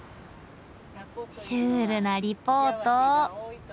シュールなリポート。